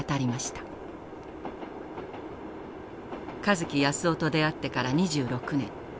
香月泰男と出会ってから２６年。